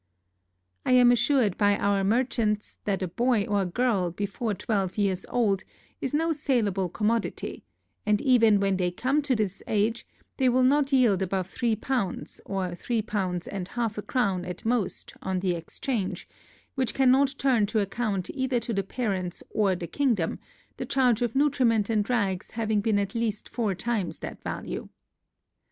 I am assured by our merchants, that a boy or a girl, before twelve years old, is no saleable commodity, and even when they come to this age, they will not yield above three pounds, or three pounds and half a crown at most, on the exchange; which cannot turn to account either to the parents or kingdom, the charge of nutriments and rags having been at least four times that value.